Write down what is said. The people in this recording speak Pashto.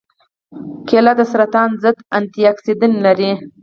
کېله د سرطان ضد انتياکسیدان لري.